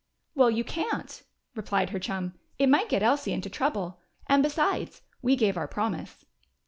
"Well, you can't," replied her chum. "It might get Elsie into trouble. And besides, we gave our promise."